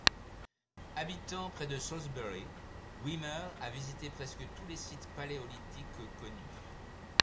Habitant près de Salisbury, Wymer a visité presque tous les sites paléolithiques connus.